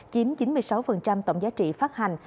chiếm chín mươi sáu tổng giá trị phát hành